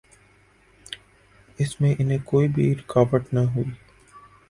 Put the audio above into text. اس میں انہیں کوئی رکاوٹ نہ ہوئی۔